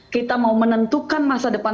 kita mau menentukan masa depan